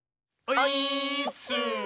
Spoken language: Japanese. オイーッス！